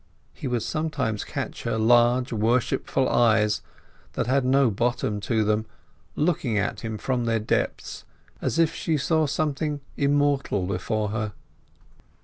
He would sometimes catch her large, worshipful eyes, that had no bottom to them looking at him from their depths, as if she saw something immortal before her.